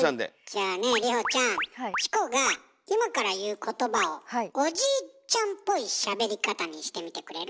じゃあね里穂ちゃんチコが今から言う言葉をおじいちゃんっぽいしゃべり方にしてみてくれる？